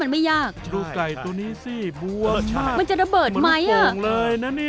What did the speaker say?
มันจะรวบเลย